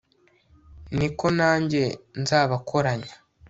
ni ko nanjye nzabakoranya